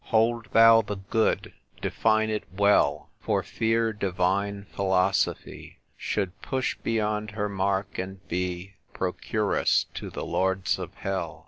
" Hold thou the good ; define it well ; For fear divine Philosophy Should push beyond her mark, and be Procuress to the Lords of Hell."